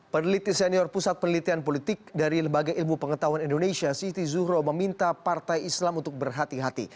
peneliti senior pusat penelitian politik dari lembaga ilmu pengetahuan indonesia siti zuhro meminta partai islam untuk berhati hati